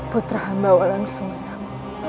putra hamba walang susam